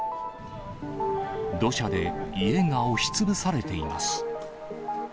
土砂で家が押し潰されています。